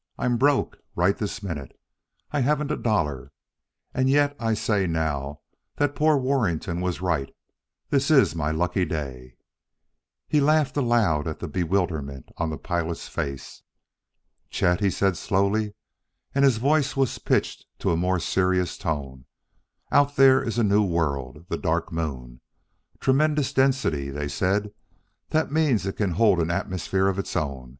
"I'm broke, right this minute. I haven't a dollar and yet I say now that poor Warrington was right: this is my lucky day." He laughed aloud at the bewilderment on the pilot's face. "Chet," he said slowly, and his voice was pitched to a more serious tone, "out there is a new world, the Dark Moon. 'Tremendous density,' they said. That means it can hold an atmosphere of its own.